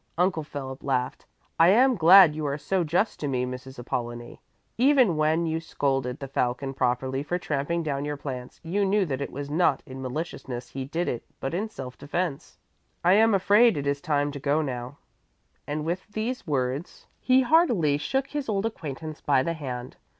Uncle Philip laughed: "I am glad you are so just to me, Mrs. Apollonie. Even when you scolded the Falcon properly for tramping down your plants, you knew that it was not in maliciousness he did it but in self defence. I am afraid it is time to go now" and with these words he heartily shook his old acquaintance by the hand.